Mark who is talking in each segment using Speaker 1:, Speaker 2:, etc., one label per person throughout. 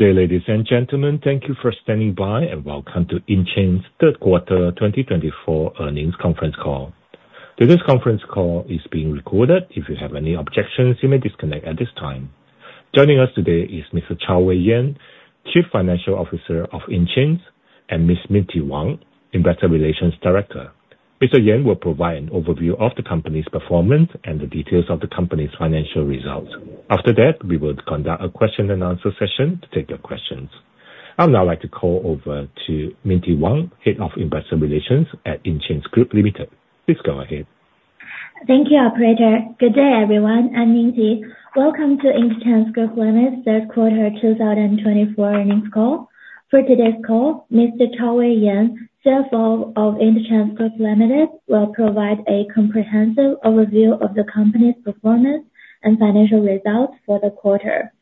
Speaker 1: Good day, ladies and gentlemen. Thank you for standing by, and welcome to Intchains' Third Quarter 2024 earnings conference call. Today's conference call is being recorded. If you have any objections, you may disconnect at this time. Joining us today is Mr. Chaowei Yan, Chief Financial Officer of Intchains, and Ms. Minty Wang, Investor Relations Director. Mr. Yan will provide an overview of the company's performance and the details of the company's financial results. After that, we will conduct a question-and-answer session to take your questions. I would now like to call over to Minty Wang, Head of Investor Relations at Intchains Group Limited. Please go ahead.
Speaker 2: Thank you, Operator. Good day, everyone. I'm Minty. Welcome to Intchains Group Limited's Third Quarter 2024 earnings call. For today's call, Mr. Chaowei Yan, CFO of Intchains Group Limited, will provide a comprehensive overview of the company's performance and financial results for the quarter.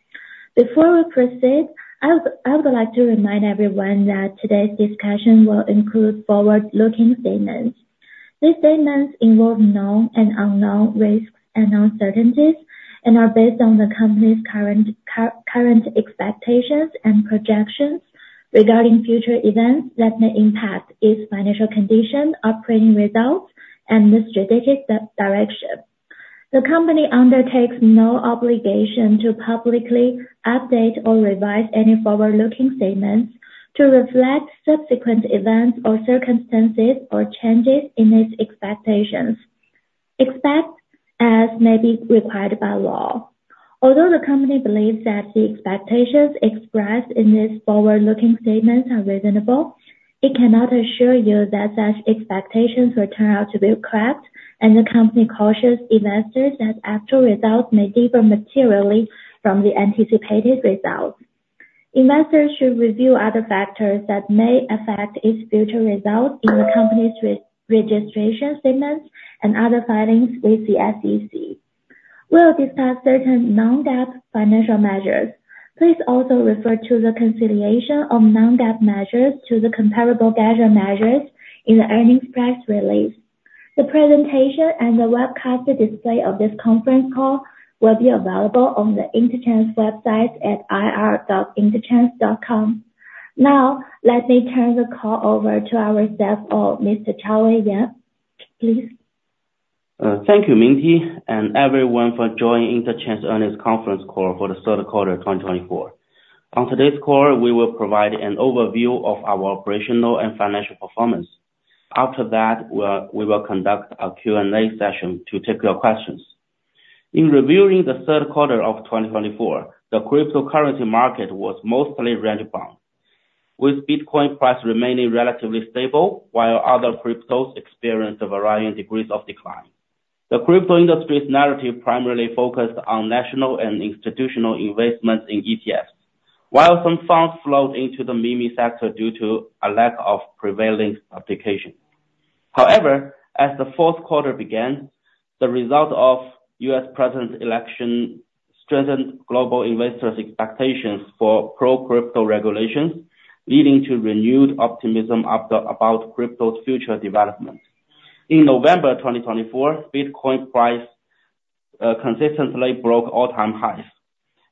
Speaker 2: Before we proceed, I would like to remind everyone that today's discussion will include forward-looking statements. These statements involve known and unknown risks and uncertainties and are based on the company's current expectations and projections regarding future events that may impact its financial condition, operating results, and strategic direction. The company undertakes no obligation to publicly update or revise any forward-looking statements to reflect subsequent events or circumstances or changes in its expectations except as may be required by law. Although the company believes that the expectations expressed in its forward-looking statements are reasonable, it cannot assure you that such expectations will turn out to be correct, and the company cautions investors that actual results may differ materially from the anticipated results. Investors should review other factors that may affect its future results in the company's registration statements and other filings with the SEC. We will discuss certain non-GAAP financial measures. Please also refer to the reconciliation of non-GAAP measures to the comparable GAAP measures in the earnings press release. The presentation and the webcast display of this conference call will be available on the Intchains website at ir.intchains.com. Now, let me turn the call over to our CFO, Mr. Chaowei Yan. Please.
Speaker 3: Thank you, Minty, and everyone, for joining Intchains' earnings conference call for the Third Quarter 2024. On today's call, we will provide an overview of our operational and financial performance. After that, we will conduct a Q&A session to take your questions. In reviewing the Third Quarter of 2024, the cryptocurrency market was mostly range-bound, with Bitcoin prices remaining relatively stable, while other cryptos experienced a variety of degrees of decline. The crypto industry's narrative primarily focused on national and institutional investments in ETFs, while some funds flowed into the meme sector due to a lack of prevailing application. However, as the fourth quarter began, the result of the U.S. president's election strengthened global investors' expectations for pro-crypto regulations, leading to renewed optimism about crypto's future development. In November 2024, Bitcoin prices consistently broke all-time highs,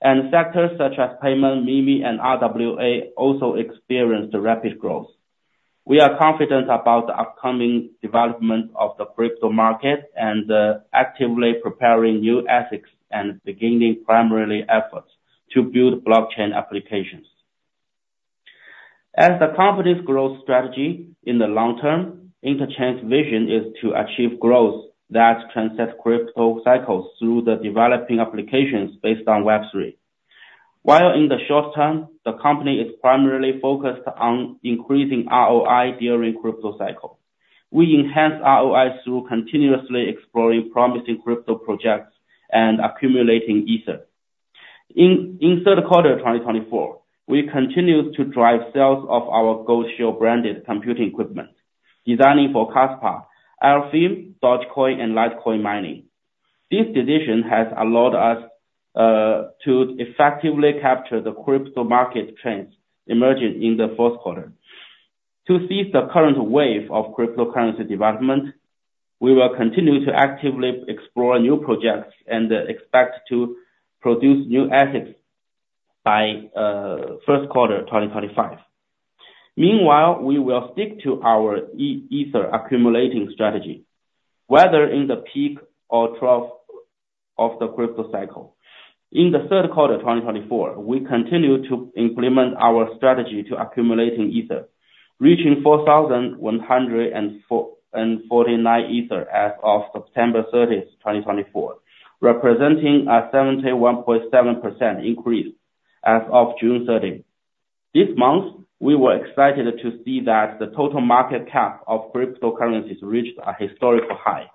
Speaker 3: and sectors such as payment, meme, and RWA also experienced rapid growth. We are confident about the upcoming development of the crypto market and actively preparing new assets and beginning primary efforts to build blockchain applications. As the company's growth strategy in the long term, Intchains' vision is to achieve growth that transcends crypto cycles through developing applications based on Web3. While in the short term, the company is primarily focused on increasing ROI during the crypto cycle, we enhance ROI through continuously exploring promising crypto projects and accumulating Ether. In third quarter 2024, we continued to drive sales of our Goldshell branded computing equipment, designing for Kaspa, Alephium, Dogecoin, and Litecoin mining. This decision has allowed us to effectively capture the crypto market trends emerging in the fourth quarter. To seize the current wave of cryptocurrency development, we will continue to actively explore new projects and expect to produce new assets by the first quarter of 2025. Meanwhile, we will stick to our Ether accumulating strategy, whether in the peak or trough of the crypto cycle. In the third quarter 2024, we continue to implement our strategy to accumulate Ether, reaching 4,149 Ether as of September 30, 2024, representing a 71.7% increase as of June 30. This month, we were excited to see that the total market cap of cryptocurrencies reached a historical high,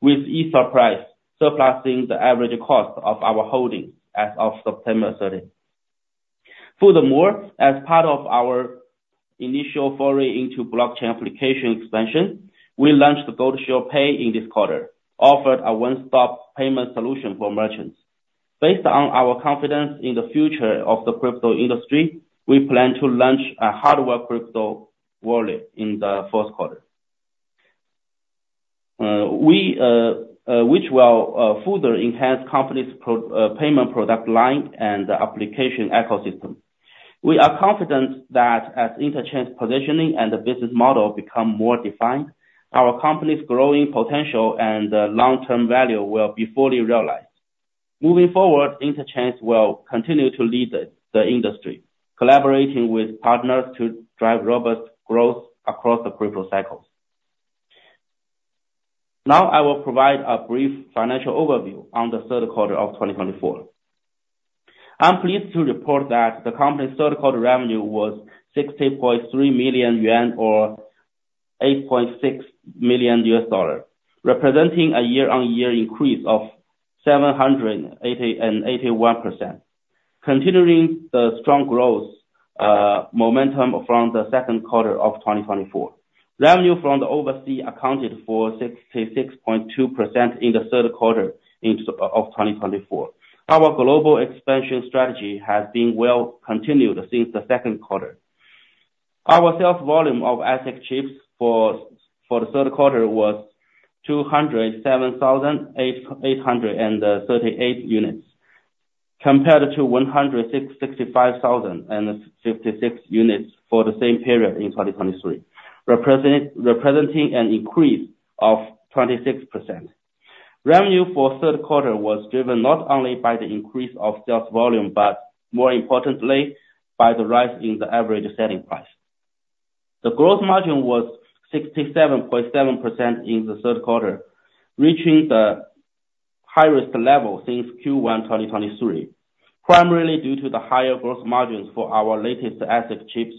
Speaker 3: with Ether prices surpassing the average cost of our holdings as of September 30. Furthermore, as part of our initial foray into blockchain application expansion, we launched the Goldshell Pay in this quarter, offering a one-stop payment solution for merchants. Based on our confidence in the future of the crypto industry, we plan to launch a hardware crypto wallet in the fourth quarter, which will further enhance the company's payment product line and application ecosystem. We are confident that as Intchains' positioning and business model become more defined, our company's growing potential and long-term value will be fully realized. Moving forward, Intchains will continue to lead the industry, collaborating with partners to drive robust growth across the crypto cycles. Now, I will provide a brief financial overview on the third quarter of 2024. I'm pleased to report that the company's third quarter revenue was 60.3 million yuan or $8.6 million, representing a year-on-year increase of 781%, continuing the strong growth momentum from the second quarter of 2024. Revenue from overseas accounted for 66.2% in the third quarter of 2024. Our global expansion strategy has been well continued since the second quarter. Our sales volume of ASIC chips for the third quarter was 207,838 units, compared to 165,056 units for the same period in 2023, representing an increase of 26%. Revenue for the third quarter was driven not only by the increase of sales volume, but more importantly, by the rise in the average selling price. The gross margin was 67.7% in the third quarter, reaching the highest level since Q1 2023, primarily due to the higher gross margins for our latest ASIC chips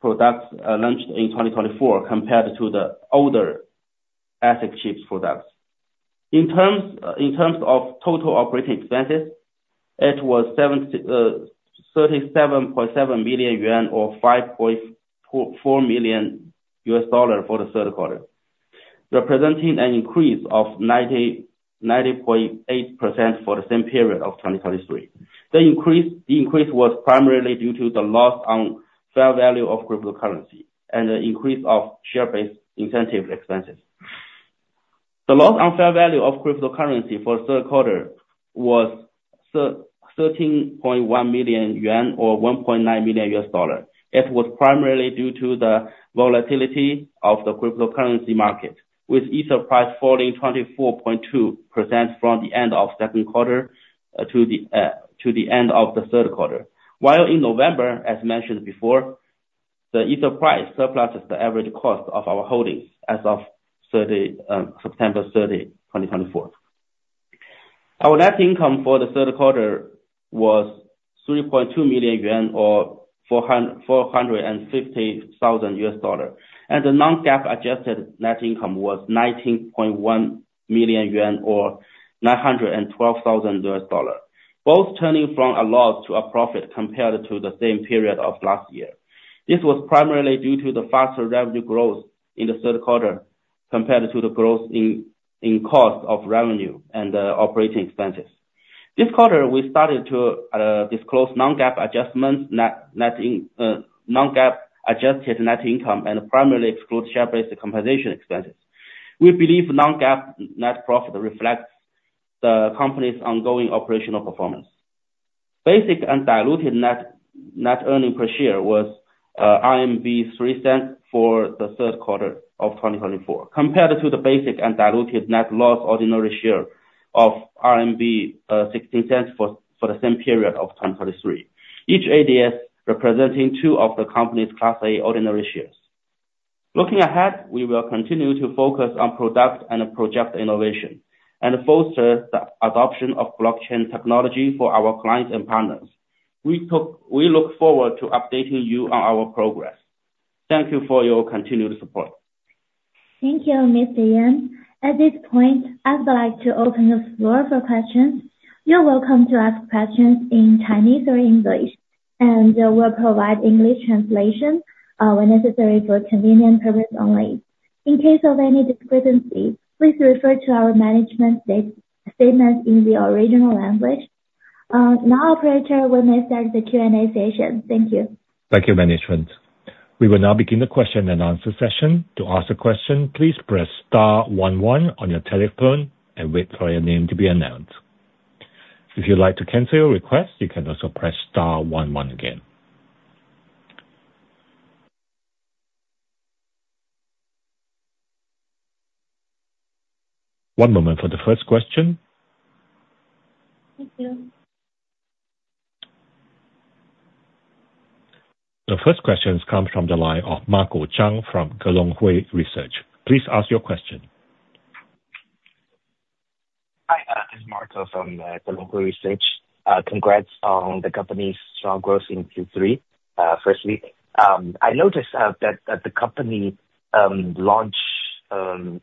Speaker 3: products launched in 2024 compared to the older ASIC chips products. In terms of total operating expenses, it was 37.7 million yuan or $5.4 million for the third quarter, representing an increase of 90.8% for the same period of 2023. The increase was primarily due to the loss on fair value of cryptocurrency and the increase of share-based incentive expenses. The loss on fair value of cryptocurrency for the third quarter was 13.1 million yuan or $1.9 million. It was primarily due to the volatility of the cryptocurrency market, with Ether price falling 24.2% from the end of the second quarter to the end of the third quarter. While in November, as mentioned before, the Ether price surpassed the average cost of our holdings as of September 30, 2024. Our net income for the third quarter was 3.2 million yuan or $450,000, and the non-GAAP adjusted net income was 19.1 million yuan or $912,000, both turning from a loss to a profit compared to the same period of last year. This was primarily due to the faster revenue growth in the third quarter compared to the growth in cost of revenue and operating expenses. This quarter, we started to disclose non-GAAP adjusted net income and primarily exclude share-based compensation expenses. We believe non-GAAP net profit reflects the company's ongoing operational performance. Basic and diluted net earnings per share was 0.03 for the third quarter of 2024, compared to the basic and diluted net loss ordinary share of 0.16 for the same period of 2023, each ADS representing two of the company's Class A ordinary shares. Looking ahead, we will continue to focus on product and project innovation and foster the adoption of blockchain technology for our clients and partners. We look forward to updating you on our progress. Thank you for your continued support.
Speaker 2: Thank you, Mr. Yan. At this point, I'd like to open the floor for questions. You're welcome to ask questions in Chinese or English, and we'll provide English translation when necessary for convenience purposes only. In case of any discrepancy, please refer to our management statements in the original language. Now, Operator, we may start the Q&A session. Thank you.
Speaker 1: Thank you, Management. We will now begin the question and answer session. To ask a question, please press star one one on your telephone and wait for your name to be announced. If you'd like to cancel your request, you can also press star one one again. One moment for the first question.
Speaker 2: Thank you.
Speaker 3: The first question comes from the line of Marco Zhang from Gelonghui Research. Please ask your question.
Speaker 4: Hi, this is Marco from Gelonghui Research. Congrats on the company's strong growth in Q3. Firstly, I noticed that the company launched an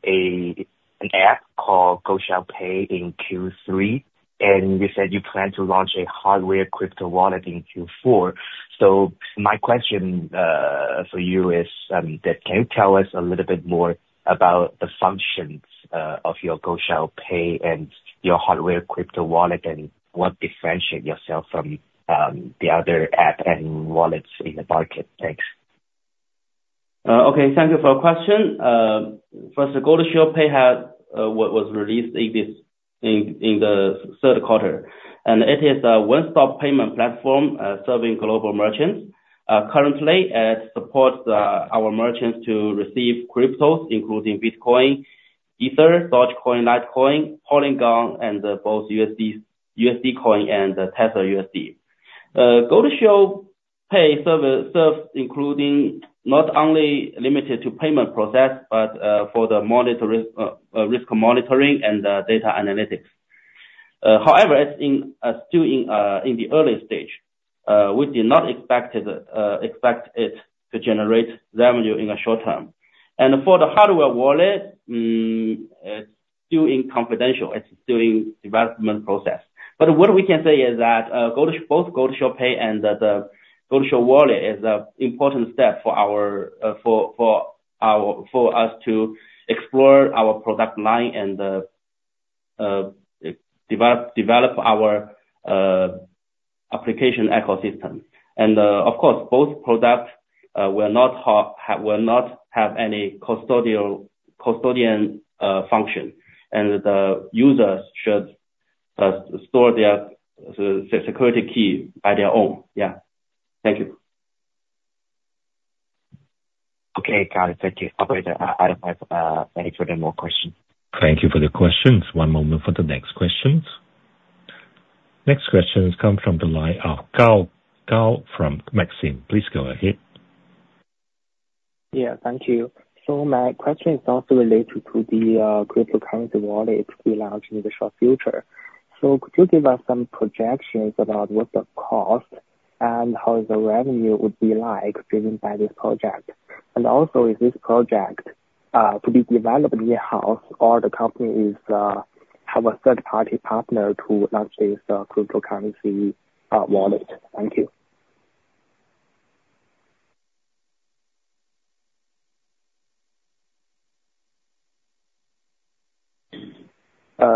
Speaker 4: app called Goldshell Pay in Q3, and you said you plan to launch a hardware crypto wallet in Q4. So my question for you is, can you tell us a little bit more about the functions of your Goldshell Pay and your hardware crypto wallet, and what differentiates yourself from the other apps and wallets in the market? Thanks.
Speaker 3: Okay, thank you for the question. First, the Goldshell Pay was released in the third quarter, and it is a one-stop payment platform serving global merchants. Currently, it supports our merchants to receive cryptos, including Bitcoin, Ether, Dogecoin, Litecoin, Polygon, and both USD Coin and Tether USD. Goldshell Pay serves, not only limited to payment process, but for the monitoring risk monitoring and data analytics. However, it's still in the early stage. We did not expect it to generate revenue in the short term. And for the hardware wallet, it's still confidential. It's still in the development process. But what we can say is that both Goldshell Pay and the Goldshell Wallet is an important step for us to explore our product line and develop our application ecosystem. And of course, both products will not have any custodian function, and the users should store their security key by their own. Yeah, thank you.
Speaker 4: Okay, got it. Thank you. I don't have any further questions.
Speaker 3: Thank you for the questions. One moment for the next questions. Next questions come from the line of Gao from Maxim. Please go ahead.
Speaker 5: Yeah, thank you. So my question is also related to the cryptocurrency wallet to be launched in the short future. So could you give us some projections about what the cost and how the revenue would be like driven by this project? And also, is this project to be developed in-house, or the company has a third-party partner to launch this cryptocurrency wallet? Thank you.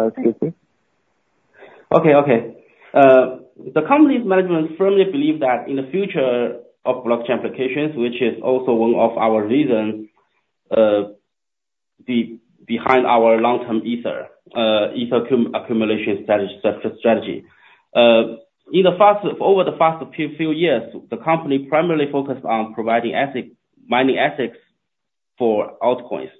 Speaker 5: Excuse me.
Speaker 3: The company's management firmly believes in the future of blockchain applications, which is also one of our reasons behind our long-term Ether accumulation strategy. Over the past few years, the company primarily focused on providing ASICs, mining ASICs for altcoins.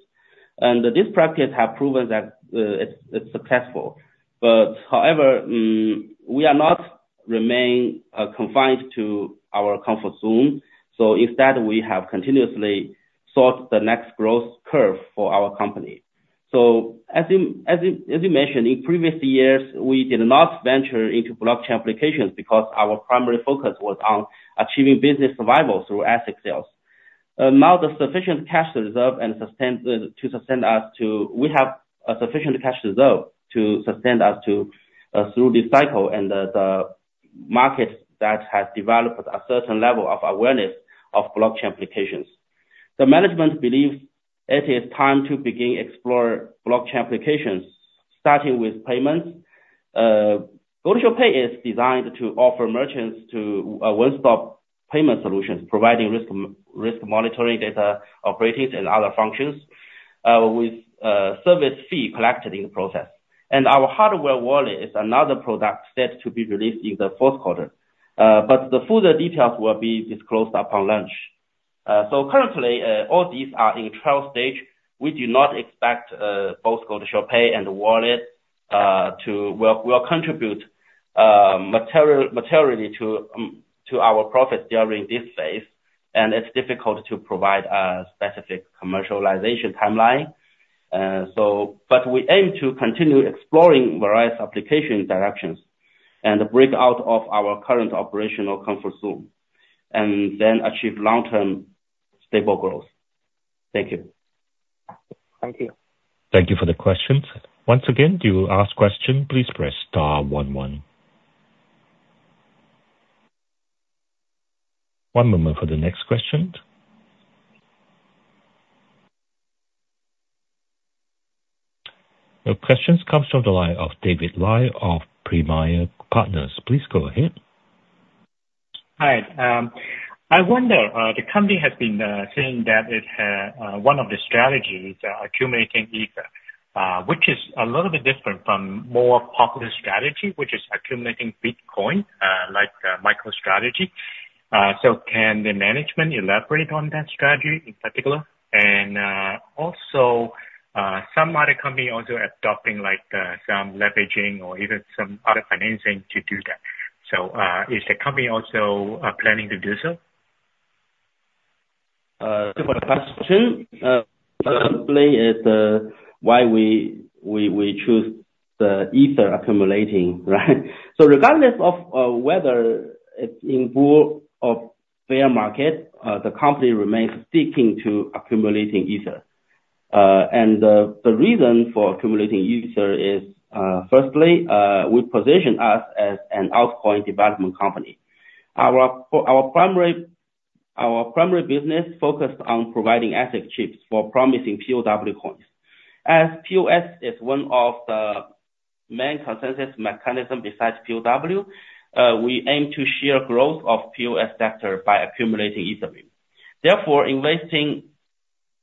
Speaker 3: This practice has proven that it's successful. However, we have not remained confined to our comfort zone. Instead, we have continuously sought the next growth curve for our company. As you mentioned, in previous years, we did not venture into blockchain applications because our primary focus was on achieving business survival through ASIC sales. Now, we have a sufficient cash reserve to sustain us through this cycle, and the market that has developed a certain level of awareness of blockchain applications. The management believes it is time to begin exploring blockchain applications, starting with payments. Goldshell Pay is designed to offer merchants one-stop payment solutions, providing risk monitoring data, operations, and other functions with service fees collected in the process, and our hardware wallet is another product set to be released in the fourth quarter, but the further details will be disclosed upon launch, so currently, all these are in trial stage. We do not expect both Goldshell Pay and the wallet to contribute materially to our profits during this phase, and it's difficult to provide a specific commercialization timeline, but we aim to continue exploring various application directions and break out of our current operational comfort zone, and then achieve long-term stable growth. Thank you.
Speaker 6: Thank you.
Speaker 3: Thank you for the questions. Once again, to ask questions? Please press star one one. One moment for the next question. The question comes from the line of David Lai of Premia Partners. Please go ahead.
Speaker 7: Hi. I wonder, the company has been saying that one of the strategies is accumulating Ether, which is a little bit different from a more popular strategy, which is accumulating Bitcoin like MicroStrategy. So can the management elaborate on that strategy in particular? And also, some other company also adopting some leveraging or even some other financing to do that. So is the company also planning to do so?
Speaker 3: For the past two, certainly, it's why we choose the Ether accumulating, right? So regardless of whether it's in a bull or bear market, the company remains sticking to accumulating Ether. And the reason for accumulating Ether is, firstly, we position us as an altcoin development company. Our primary business focused on providing ASIC chips for promising POW coins. As POS is one of the main consensus mechanisms besides POW, we aim to share growth of the POS sector by accumulating Ethereum. Therefore, investing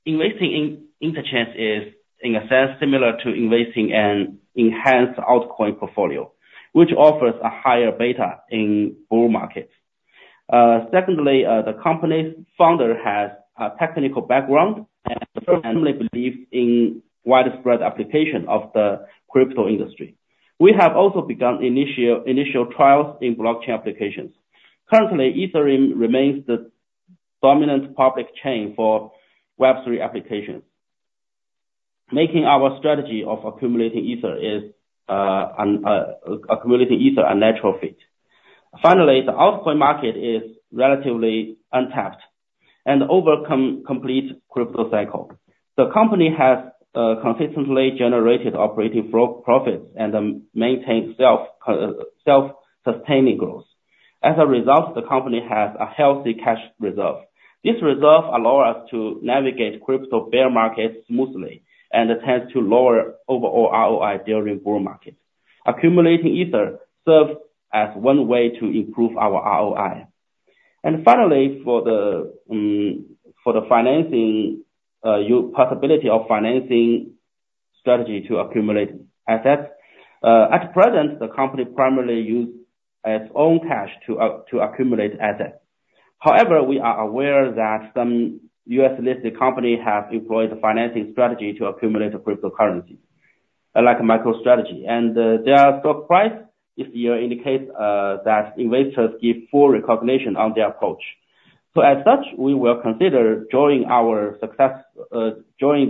Speaker 3: in Intchains is, in a sense, similar to investing in an enhanced altcoin portfolio, which offers a higher beta in bull markets. Secondly, the company's founder has a technical background and firmly believes in widespread application of the crypto industry. We have also begun initial trials in blockchain applications. Currently, Ethereum remains the dominant public chain for Web3 applications. Making our strategy of accumulating Ether a natural fit. Finally, the altcoin market is relatively untapped and over the complete crypto cycle. The company has consistently generated operating profits and maintained self-sustaining growth. As a result, the company has a healthy cash reserve. This reserve allows us to navigate crypto bear markets smoothly and tends to lower overall ROI during bull markets. Accumulating Ether serves as one way to improve our ROI. And finally, for the possibility of financing strategy to accumulate assets, at present, the company primarily uses its own cash to accumulate assets. However, we are aware that some U.S.-listed companies have employed a financing strategy to accumulate cryptocurrencies like MicroStrategy. And their stock price, if you indicate that investors give full recognition on their approach. So as such, we will consider joining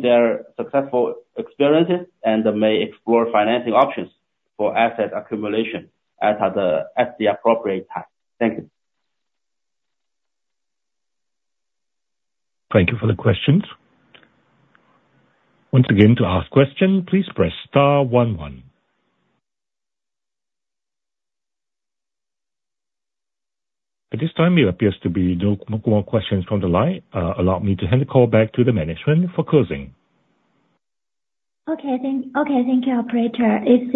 Speaker 3: their successful experiences and may explore financing options for asset accumulation at the appropriate time. Thank you.
Speaker 1: Thank you for the questions. Once again, to ask questions, please press Star 11. At this time, there appears to be no more questions from the line. Allow me to hand the call back to the management for closing.
Speaker 2: Okay, thank you, Operator. If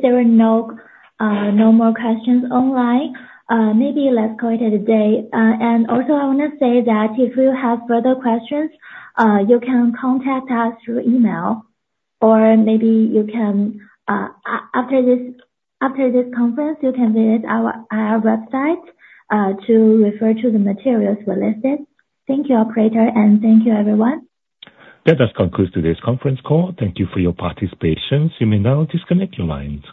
Speaker 2: there are no more questions online, maybe let's call it a day. And also, I want to say that if you have further questions, you can contact us through email, or maybe you can, after this conference, you can visit our website to refer to the materials we listed. Thank you, Operator, and thank you, everyone.
Speaker 1: That does conclude today's conference call. Thank you for your participation. You may now disconnect your lines.